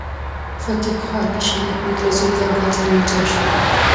فتح خان د شاه محمود له زوی کامران سره یو ځای شو.